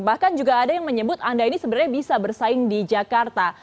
bahkan juga ada yang menyebut anda ini sebenarnya bisa bersaing di jakarta